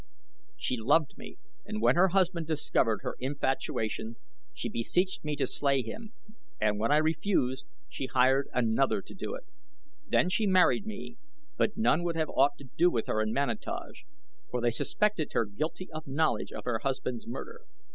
She loved me and when her husband discovered her infatuation she beseeched me to slay him, and when I refused she hired another to do it. Then she married me; but none would have aught to do with her in Manataj, for they suspected her guilty knowledge of her husband's murder.